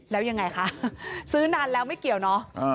แล้วยังไงคะซื้อนานแล้วไม่เกี่ยวเนอะ